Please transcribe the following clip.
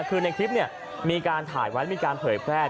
คือในคลิปเนี่ยมีการถ่ายไว้มีการเผยแปลด